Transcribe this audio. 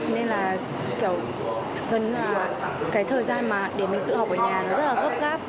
nên là gần như là cái thời gian để mình tự học ở nhà nó rất là gấp gáp